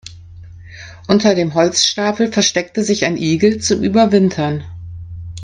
Unter dem Holzstapel versteckte sich ein Igel zum Überwintern.